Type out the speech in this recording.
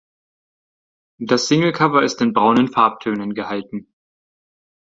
Das Singlecover ist in braunen Farbtönen gehalten.